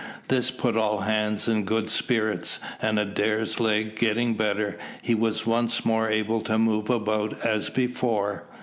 This put all hands in good spirits; and Adair's leg getting better, he was once more able to move about as before.